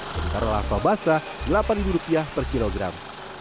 sementara larva basah delapan ribu rupiah per kilogram